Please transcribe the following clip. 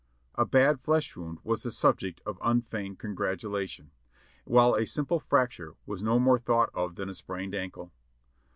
A bad flesh wound was the subject of unfeigned congratulation, while a simple fracture was no more thought of than a sprained ankle.